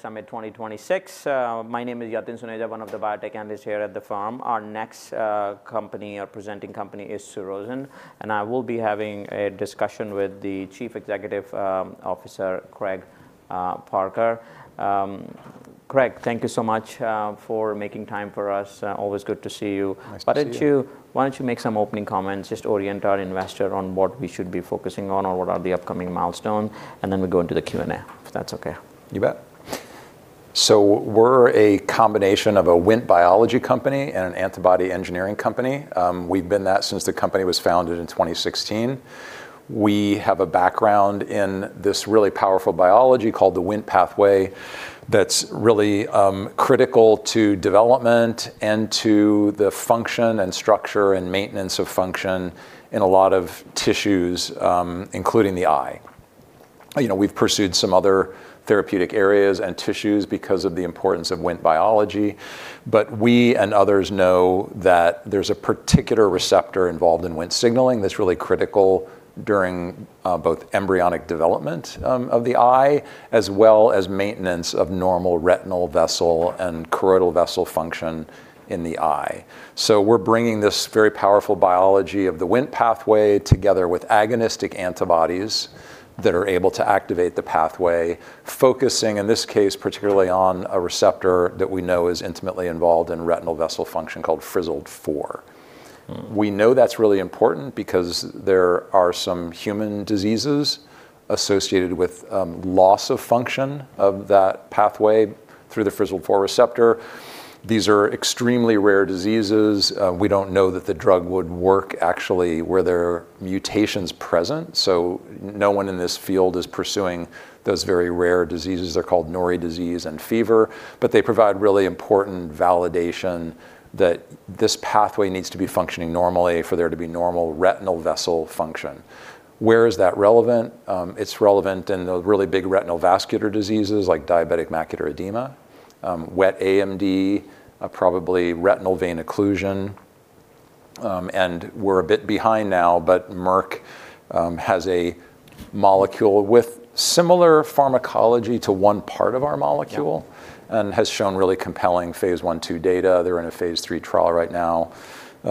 Summit 2026. My name is Yatin Suneja, one of the biotech analysts here at the firm. Our next company, or presenting company, is Surrozen, and I will be having a discussion with the Chief Executive Officer, Craig Parker. Craig, thank you so much for making time for us, always good to see you. Nice to see you. Why don't you make some opening comments, just to orient our investor on what we should be focusing on or what are the upcoming milestones, and then we go into the Q&A, if that's okay? You bet. So we're a combination of a Wnt biology company and an antibody engineering company. We've been that since the company was founded in 2016. We have a background in this really powerful biology called the Wnt pathway, that's really critical to development and to the function and structure and maintenance of function in a lot of tissues, including the eye. You know, we've pursued some other therapeutic areas and tissues because of the importance of Wnt biology, but we and others know that there's a particular receptor involved in Wnt signaling that's really critical during both embryonic development of the eye, as well as maintenance of normal retinal vessel and choroidal vessel function in the eye. So we're bringing this very powerful biology of the Wnt pathway, together with agonistic antibodies that are able to activate the pathway, focusing, in this case, particularly on a receptor that we know is intimately involved in retinal vessel function, called Fzd4. Mm. We know that's really important because there are some human diseases associated with loss of function of that pathway through the Fzd4 receptor. These are extremely rare diseases. We don't know that the drug would work actually where there are mutations present, so no one in this field is pursuing those very rare diseases. They're called Norrie Disease and FEVR, but they provide really important validation that this pathway needs to be functioning normally for there to be normal retinal vessel function. Where is that relevant? It's relevant in the really big retinal vascular diseases, like diabetic macular edema, wet AMD, probably retinal vein occlusion. And we're a bit behind now, but Merck has a molecule with similar pharmacology to one part of our molecule- Yeah... and has shown really compelling phase I, II data. They're in a phase III trial right now,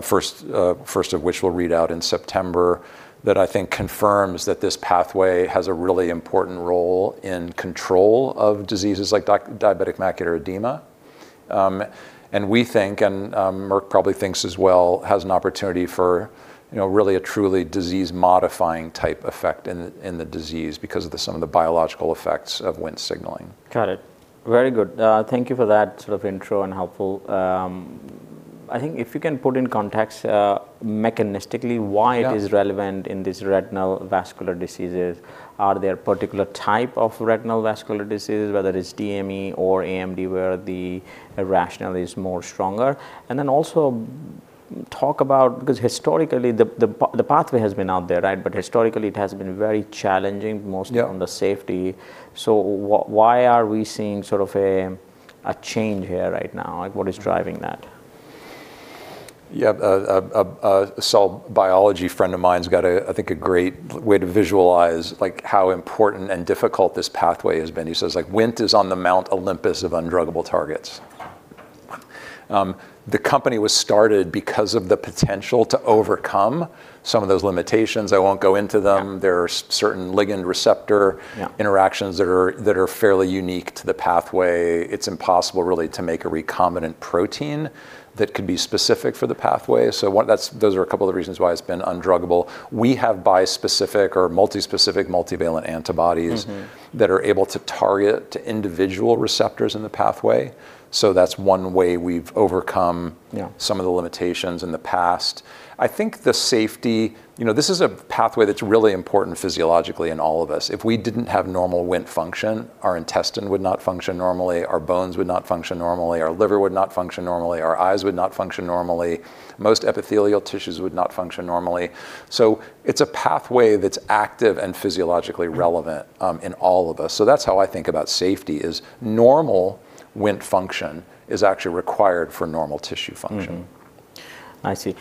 first of which we'll read out in September, that I think confirms that this pathway has a really important role in control of diseases like diabetic macular edema. And we think, and, Merck probably thinks as well, has an opportunity for, you know, really a truly disease modifying-type effect in the, in the disease because of some of the biological effects of Wnt signaling. Got it. Very good. Thank you for that sort of intro and helpful... I think if you can put in context, mechanistically- Yeah... why it is relevant in these retinal vascular diseases. Are there particular type of retinal vascular disease, whether it's DME or AMD, where the rationale is more stronger? And then also talk about... Because historically, the pathway has been out there, right? But historically, it has been very challenging, mostly- Yeah... on the safety. So why are we seeing sort of a change here right now, like what is driving that? A cell biology friend of mine's got a, I think, a great way to visualize, like, how important and difficult this pathway has been. He says, like, "Wnt is on the Mount Olympus of undruggable targets." The company was started because of the potential to overcome some of those limitations. I won't go into them. Yeah. There are certain ligand receptor- Yeah... interactions that are fairly unique to the pathway. It's impossible, really, to make a recombinant protein that could be specific for the pathway. So one, that's, those are a couple of reasons why it's been undruggable. We have bispecific or multispecific, multivalent antibodies- Mm-hmm... that are able to target to individual receptors in the pathway, so that's one way we've overcome- Yeah... some of the limitations in the past. I think the safety, you know, this is a pathway that's really important physiologically in all of us. If we didn't have normal Wnt function, our intestine would not function normally, our bones would not function normally, our liver would not function normally, our eyes would not function normally, most epithelial tissues would not function normally. So it's a pathway that's active and physiologically relevant- Mm... in all of us. So that's how I think about safety, is normal Wnt function is actually required for normal tissue function. Mm-hmm. I see.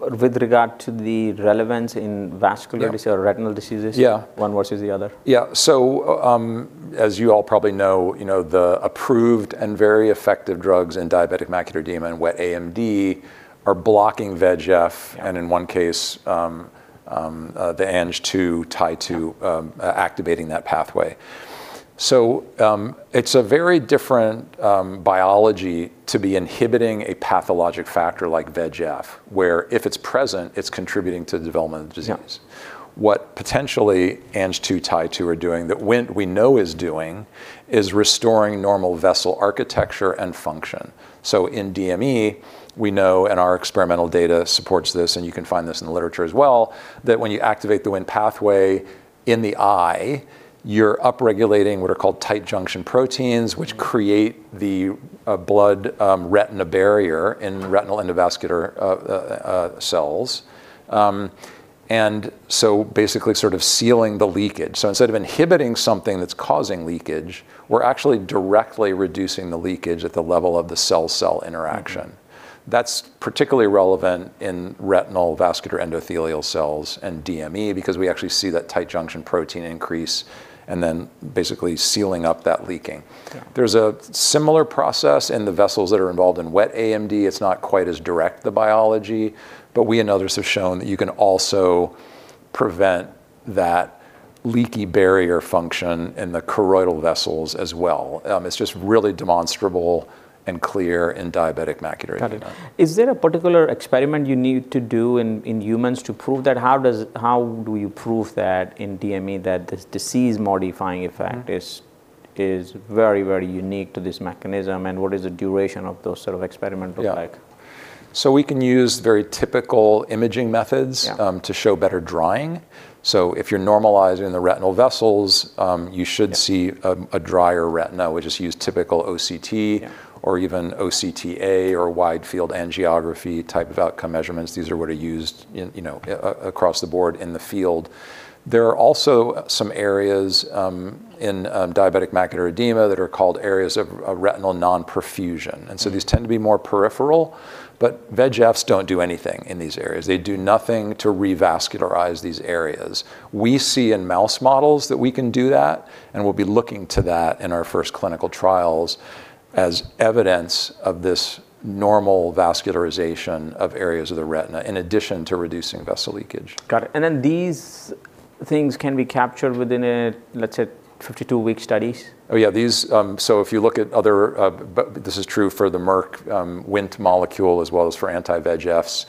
With regard to the relevance in vascular diseases- Yeah... or retinal diseases. Yeah... one versus the other. Yeah. So, as you all probably know, you know, the approved and very effective drugs in diabetic macular edema and wet AMD are blocking VEGF- Yeah... and in one case, the Ang2, Tie2, activating that pathway. So, it's a very different biology to be inhibiting a pathologic factor like VEGF, where if it's present, it's contributing to the development of the disease. Yeah. What potentially Ang2, Tie2 are doing, that Wnt we know is doing, is restoring normal vessel architecture and function. So in DME, we know, and our experimental data supports this, and you can find this in the literature as well, that when you activate the Wnt pathway in the eye, you're upregulating what are called tight junction proteins- Mm... which create the blood-retinal barrier in retinal endothelial cells. And so basically sort of sealing the leakage. So instead of inhibiting something that's causing leakage, we're actually directly reducing the leakage at the level of the cell-cell interaction. That's particularly relevant in retinal vascular endothelial cells and DME, because we actually see that tight junction protein increase, and then basically sealing up that leaking. Okay. There's a similar process in the vessels that are involved in wet AMD. It's not quite as direct, the biology, but we and others have shown that you can also prevent that leaky barrier function in the choroidal vessels as well. It's just really demonstrable and clear in diabetic macular edema. Got it. Is there a particular experiment you need to do in humans to prove that? How do you prove that in DME, that this disease-modifying effect- Mm-hmm... is very, very unique to this mechanism? And what is the duration of those sort of experimental like? Yeah. We can use very typical imaging methods- Yeah... to show better drying. So if you're normalizing the retinal vessels, you should see- Yeah... a drier retina. We just use typical OCT- Yeah ... or even OCTA or wide-field angiography type of outcome measurements. These are what are used in, you know, across the board in the field. There are also some areas, in diabetic macular edema, that are called areas of retinal non-perfusion. And so these tend to be more peripheral, but VEGFs don't do anything in these areas. They do nothing to revascularize these areas. We see in mouse models that we can do that, and we'll be looking to that in our first clinical trials as evidence of this normal vascularization of areas of the retina, in addition to reducing vessel leakage. Got it. And then these things can be captured within a, let's say, 52-week studies? Oh, yeah, these. So if you look at other, but this is true for the Merck Wnt molecule as well as for anti-VEGFs.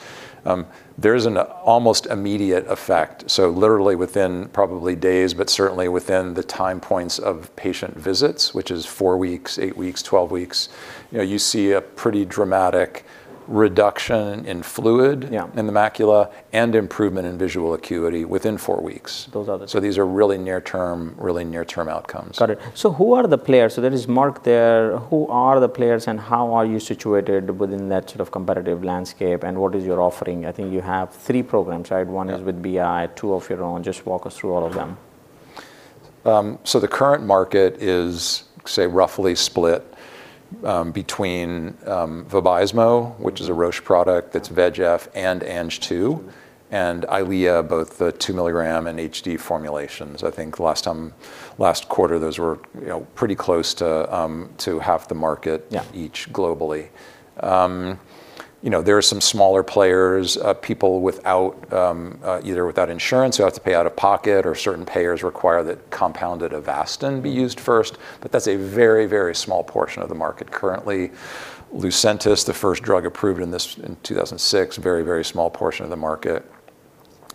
There's an almost immediate effect, so literally within probably days, but certainly within the time points of patient visits, which is four weeks, eight weeks, 12 weeks. You know, you see a pretty dramatic reduction in fluid- Yeah... in the macula, and improvement in visual acuity within four weeks. Those are the- So these are really near-term, really near-term outcomes. Got it. So who are the players? So there is Merck there. Who are the players, and how are you situated within that sort of competitive landscape, and what is your offering? I think you have three programs, right? Yeah. One is with BI, two of your own. Just walk us through all of them. So the current market is, say, roughly split between Vabysmo, which is a Roche product that's VEGF and Ang2, and Eylea, both the 2-milligram and HD formulations. I think last time, last quarter, those were, you know, pretty close to half the market- Yeah... each globally. You know, there are some smaller players, people without either without insurance who have to pay out of pocket, or certain payers require that compounded Avastin be used first, but that's a very, very small portion of the market currently. Lucentis, the first drug approved in this in 2006, very, very small portion of the market.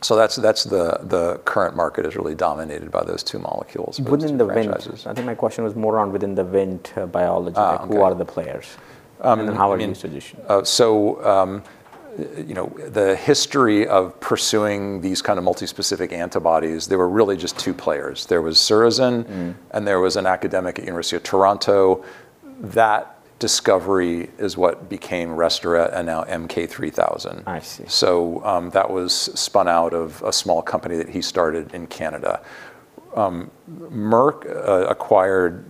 So that's, that's the, the current market is really dominated by those two molecules- Within the Wnt... franchises. I think my question was more on within the Wnt biology. Ah, okay. Who are the players, and how are you positioned? You know, the history of pursuing these kind of multi-specific antibodies, there were really just two players. There was Surrozen Mm-hmm... and there was an academic at University of Toronto. That discovery is what became Restoret and now MK-3000. I see. So, that was spun out of a small company that he started in Canada. Merck acquired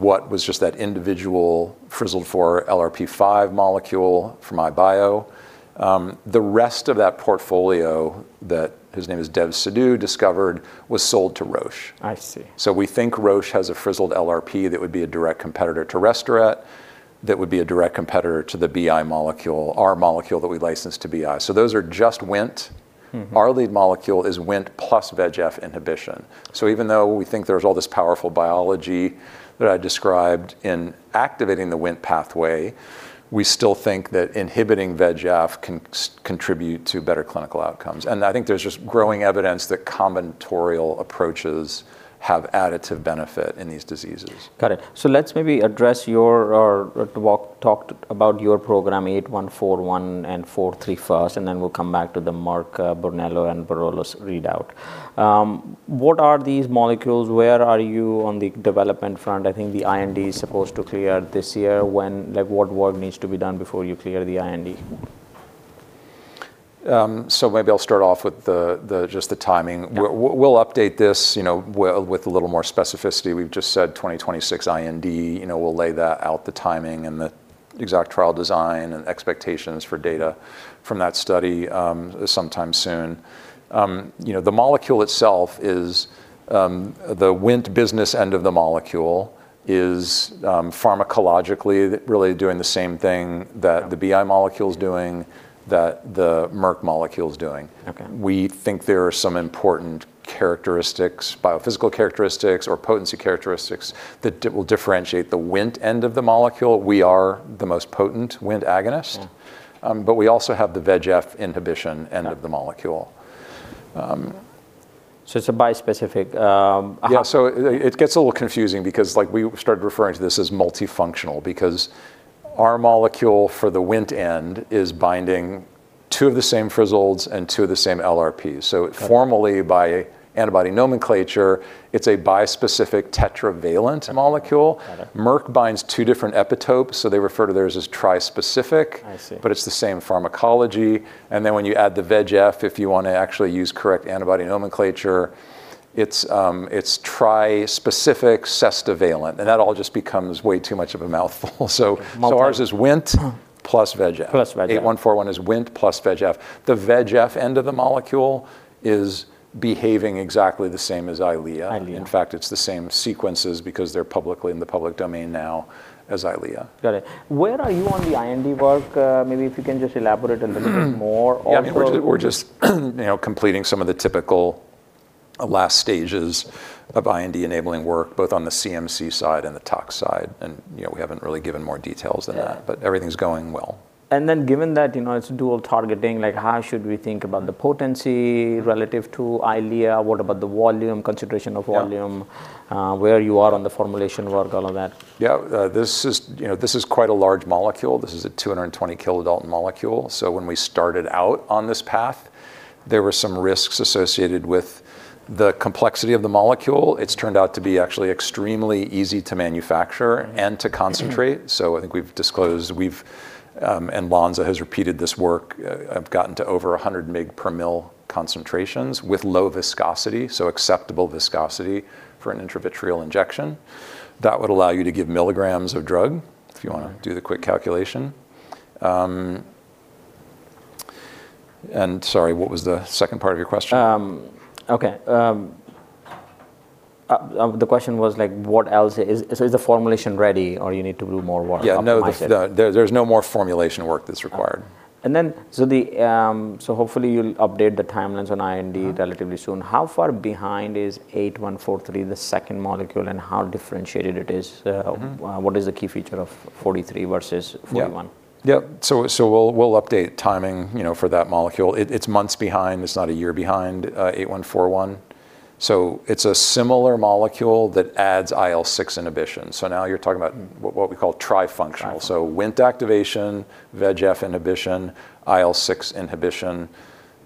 what was just that individual Fzd4 LRP5 molecule from EyeBio. The rest of that portfolio that, his name is Sachdev Sidhu, discovered was sold to Roche. I see. We think Roche has a Frizzled LRP that would be a direct competitor to Restoret, that would be a direct competitor to the BI molecule, our molecule that we licensed to BI. Those are just Wnt. Mm-hmm. Our lead molecule is Wnt plus VEGF inhibition. So even though we think there's all this powerful biology that I described in activating the Wnt pathway, we still think that inhibiting VEGF can contribute to better clinical outcomes. And I think there's just growing evidence that combinatorial approaches have additive benefit in these diseases. Got it. So let's maybe address your or talk about your program, 8141 and 8143 first, and then we'll come back to the Merck Brunello and Amarone readout. What are these molecules? Where are you on the development front? I think the IND is supposed to clear this year. When, like, what work needs to be done before you clear the IND? So maybe I'll start off with just the timing. Yeah. We'll update this, you know, with a little more specificity. We've just said 2026 IND. You know, we'll lay that out, the timing and the exact trial design and expectations for data from that study sometime soon. You know, the molecule itself is the Wnt business end of the molecule is pharmacologically really doing the same thing that- Yeah... the BI molecule is doing, that the Merck molecule is doing. Okay. We think there are some important characteristics, biophysical characteristics or potency characteristics, that will differentiate the Wnt end of the molecule. We are the most potent Wnt agonist- Mm-hmm... but we also have the VEGF inhibition- Yeah... end of the molecule. So it's a bispecific. Yeah, so it gets a little confusing because, like, we started referring to this as multifunctional, because our molecule for the Wnt end is binding two of the same Frizzleds and two of the same LRPs. Got it. Formally, by antibody nomenclature, it's a bispecific tetravalent molecule. Got it. Merck binds two different epitopes, so they refer to theirs as trispecific. I see. It's the same pharmacology. Then when you add the VEGF, if you wanna actually use correct antibody nomenclature, it's trispecific tetravalent, and that all just becomes way too much of a mouthful. So- Molecule. Ours is WNT plus VEGF. Plus VEGF. 8141 is Wnt plus VEGF. The VEGF end of the molecule is behaving exactly the same as Eylea. Eylea. In fact, it's the same sequences, because they're publicly in the public domain now as Eylea. Got it. Where are you on the IND work? Maybe if you can just elaborate a little bit more on- Yeah, I mean, we're just, you know, completing some of the typical last stages of IND-enabling work, both on the CMC side and the tox side. And, you know, we haven't really given more details than that. Yeah... but everything's going well. And then given that, you know, it's dual targeting, like, how should we think about the potency relative to Eylea? What about the volume, concentration of volume? Yeah. Where you are on the formulation work, all of that? Yeah, this is, you know, this is quite a large molecule. This is a 220 kilodalton molecule. So when we started out on this path, there were some risks associated with the complexity of the molecule. It's turned out to be actually extremely easy to manufacture and to concentrate. Mm-hmm. So I think we've disclosed, and Lonza has repeated this work. We have gotten to over 100 mg per ml concentrations with low viscosity, so acceptable viscosity for an intravitreal injection. That would allow you to give milligrams of drug, if you wanna do the quick calculation. And sorry, what was the second part of your question? Okay. The question was, like, what else...? Is the formulation ready, or you need to do more work to optimize it? Yeah, no, there, there's no more formulation work that's required. Okay. And then, hopefully you'll update the timelines on IND. Mm... relatively soon. How far behind is 8143, the second molecule, and how differentiated it is? Mm-hmm... what is the key feature of 43 versus 41? Yeah. Yeah, so we'll update timing, you know, for that molecule. It's months behind, it's not a year behind, 8141. So it's a similar molecule that adds IL-6 inhibition. So now you're talking about what we call trifunctional. Trifunctional. So Wnt activation, VEGF inhibition, IL-6 inhibition.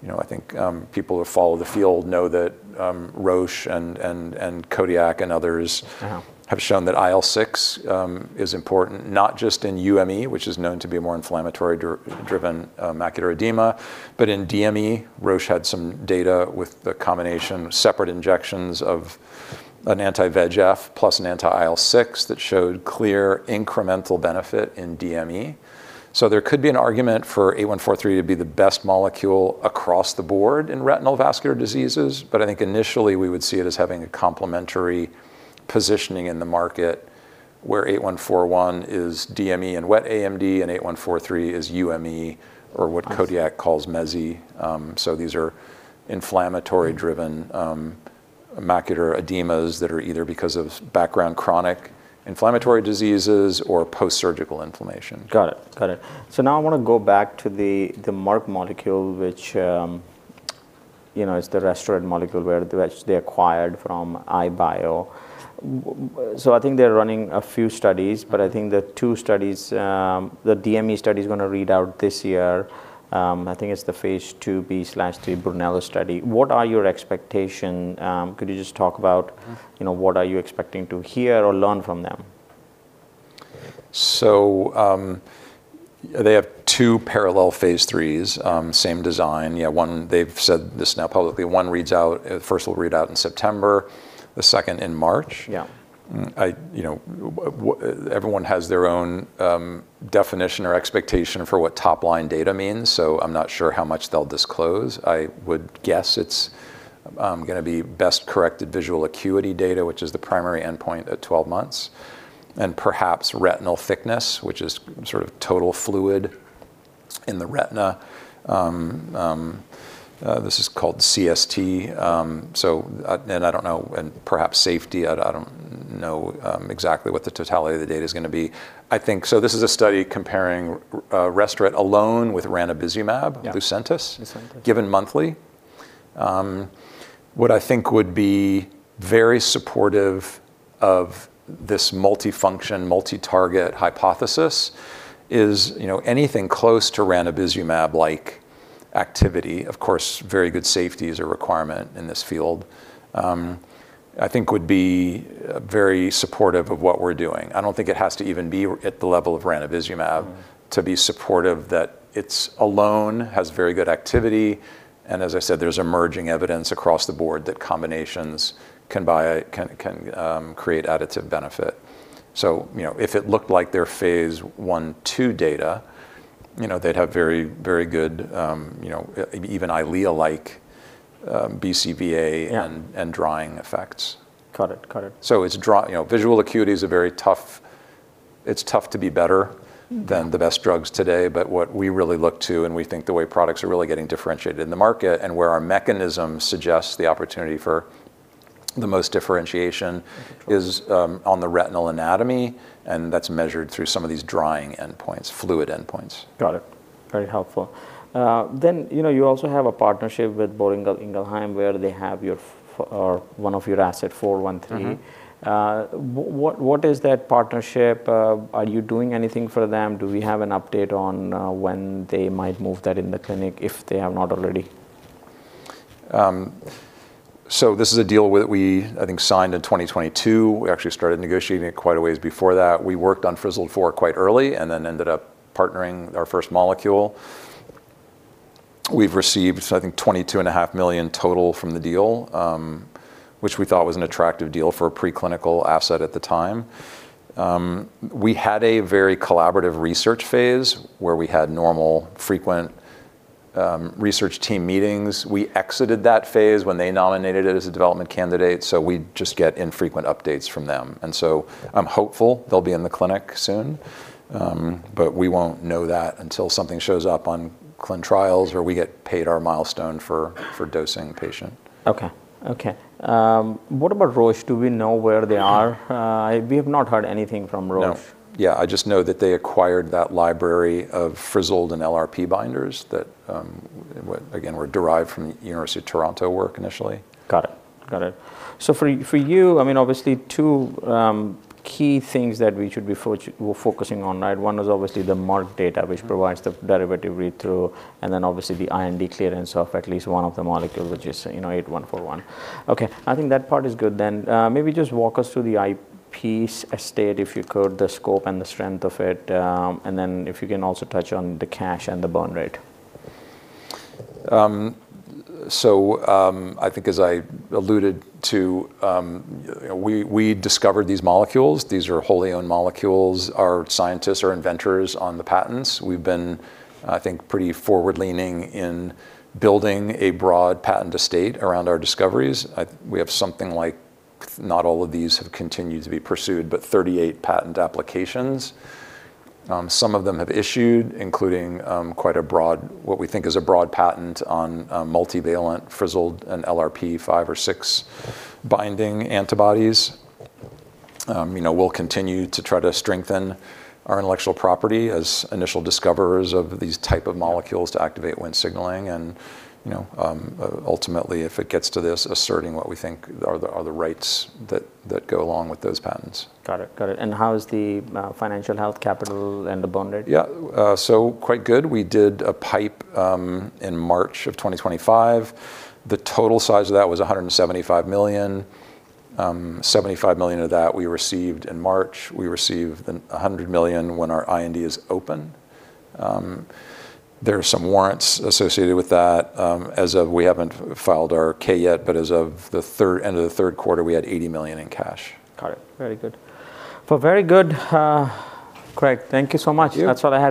You know, I think, people who follow the field know that, Roche and Kodiak and others- Uh-huh... have shown that IL-6 is important, not just in UME, which is known to be a more inflammatory-driven macular edema, but in DME. Roche had some data with the combination of separate injections of an anti-VEGF plus an anti-IL-6 that showed clear incremental benefit in DME. So there could be an argument for 8143 to be the best molecule across the board in retinal vascular diseases, but I think initially we would see it as having a complementary positioning in the market, where 8141 is DME and wet AMD, and 8143 is UME, or what- Yes... Kodiak calls MEIE. So these are inflammatory-driven macular edemas that are either because of background chronic inflammatory diseases or post-surgical inflammation. Got it. Got it. So now I wanna go back to the MK molecule, which, you know, is the Restoret molecule which they acquired from EyeBio. So I think they're running a few studies, but I think the two studies, the DME study is gonna read out this year. I think it's the phase IIb/III BRUNELLO study. What are your expectation? Could you just talk about- Mm... you know, what are you expecting to hear or learn from them? So, they have two parallel Phase IIIs, same design. Yeah, one, they've said this now publicly, one reads out, first will read out in September, the second in March. Yeah. You know, everyone has their own definition or expectation for what top-line data means, so I'm not sure how much they'll disclose. I would guess it's gonna be best-corrected visual acuity data, which is the primary endpoint at 12 months, and perhaps retinal thickness, which is sort of total fluid in the retina. This is called CST. So, and I don't know, and perhaps safety, I don't know exactly what the totality of the data is gonna be. I think... So this is a study comparing Restoret alone with ranibizumab- Yeah... Lucentis- Lucentis... given monthly. What I think would be very supportive of this multifunctional, multi-target hypothesis is, you know, anything close to ranibizumab-like activity, of course, very good safety is a requirement in this field. I think would be very supportive of what we're doing. I don't think it has to even be at the level of ranibizumab- Mm... to be supportive, that it's alone, has very good activity, and as I said, there's emerging evidence across the board that combinations can buy, can, can, create additive benefit. So, you know, if it looked like their Phase I, II data, you know, they'd have very, very good, you know, even Eylea-like, BCVA and- Yeah... and drying effects. Got it. Got it. So it's dry, you know, visual acuity is a very tough. It's tough to be better than the best drugs today. But what we really look to, and we think the way products are really getting differentiated in the market, and where our mechanism suggests the opportunity for the most differentiation, is on the retinal anatomy, and that's measured through some of these drying endpoints, fluid endpoints. Got it. Very helpful. Then, you know, you also have a partnership with Boehringer Ingelheim, where they have one of your assets, SZN-413. Mm-hmm. What, what is that partnership? Are you doing anything for them? Do we have an update on when they might move that in the clinic, if they have not already?... So this is a deal that we, I think, signed in 2022. We actually started negotiating it quite a ways before that. We worked on Frizzled-4 quite early, and then ended up partnering our first molecule. We've received, I think, $22.5 million total from the deal, which we thought was an attractive deal for a preclinical asset at the time. We had a very collaborative research phase, where we had normal, frequent, research team meetings. We exited that phase when they nominated it as a development candidate, so we just get infrequent updates from them. And so I'm hopeful they'll be in the clinic soon, but we won't know that until something shows up on clinical trials or we get paid our milestone for dosing patient. Okay. Okay. What about Roche? Do we know where they are? We have not heard anything from Roche. No. Yeah, I just know that they acquired that library of Frizzled and LRP binders that, again, were derived from University of Toronto work initially. Got it. Got it. So for you, I mean, obviously, two key things that we should be focusing on, right? One is obviously the MK data- Mm-hmm... which provides the derivative read-through, and then obviously, the IND clearance of at least one of the molecules, which is, you know, 8141. Okay, I think that part is good then. Maybe just walk us through the IP estate, if you could, the scope and the strength of it, and then if you can also touch on the cash and the burn rate. So, I think as I alluded to, we discovered these molecules. These are wholly owned molecules. Our scientists are inventors on the patents. We've been, I think, pretty forward-leaning in building a broad patent estate around our discoveries. We have something like, not all of these have continued to be pursued, but 38 patent applications. Some of them have issued, including, quite a broad, what we think is a broad patent on, multivalent Frizzled and LRP5 or LRP6 binding antibodies. You know, we'll continue to try to strengthen our intellectual property as initial discoverers of these type of molecules to activate Wnt signaling and, you know, ultimately, if it gets to this, asserting what we think are the rights that go along with those patents. Got it, got it. How is the financial health, capital, and the burn rate? Yeah, so quite good. We did a PIPE in March of 2025. The total size of that was $175 million. Seventy-five million of that we received in March. We received a hundred million when our IND is open. There are some warrants associated with that. As of we haven't filed our K yet, but as of the third, end of the third quarter, we had $80 million in cash. Got it. Very good. Well, very good, Craig. Thank you so much. Thank you. That's all I have.